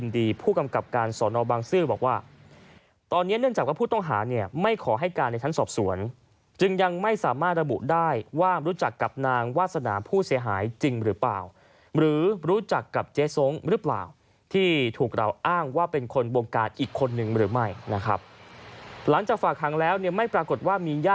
ผู้กำกับการสอนอบังซื้อบอกว่าตอนนี้เนื่องจากว่าผู้ต้องหาเนี่ยไม่ขอให้การในชั้นสอบสวนจึงยังไม่สามารถระบุได้ว่ารู้จักกับนางวาสนาผู้เสียหายจริงหรือเปล่าหรือรู้จักกับเจ๊ส้งหรือเปล่าที่ถูกเราอ้างว่าเป็นคนวงการอีกคนนึงหรือไม่นะครับหลังจากฝากหางแล้วเนี่ยไม่ปรากฏว่ามีย